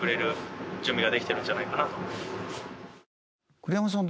栗山さん